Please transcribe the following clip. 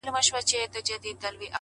تا راته نه ويل د کار راته خبري کوه ،